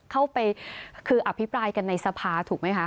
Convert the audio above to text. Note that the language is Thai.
เข้าไปคืออภิปรายกันในสภาถูกไหมคะ